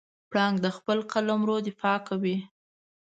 پړانګ د خپل قلمرو دفاع کوي.